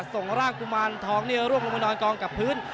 ส่งร่างกุมารทองร่วงลงไปนอนกองกับพื้น